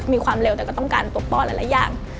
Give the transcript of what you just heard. มีความเร็วแต่ก็ต้องการตกป้อนหลายอย่าง